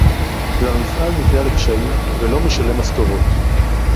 והמפעל נקלע לקשיים ולא משלם משכורות